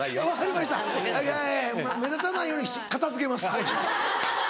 目立たないように片付けます。